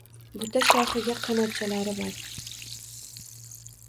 Buta shoxiga qanotchalari bor.